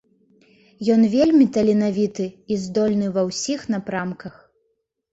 Ён вельмі таленавіты і здольны ва ўсіх напрамках.